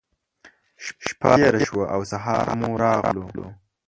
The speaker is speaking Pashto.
شپّه تېره شوه او سهار مو راغلو.